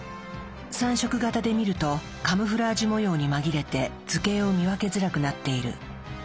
３色型で見るとカムフラージュ模様に紛れて図形を見分けづらくなっている。